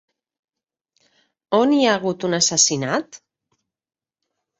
On hi ha hagut un assassinat?